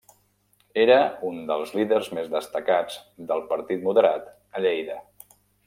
Era un dels líders més destacats del Partit Moderat a Lleida.